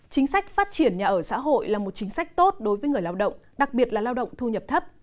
chính sách phát triển nhà ở xã hội là một chính sách tốt đối với người lao động đặc biệt là lao động thu nhập thấp